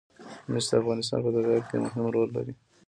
مس د افغانستان په طبیعت کې مهم رول لري.